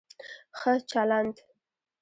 ښه چلند